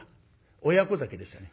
「親子酒」でしたね。